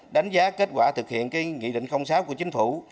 đánh giá kết quả thực hiện nghị định sáu của chính phủ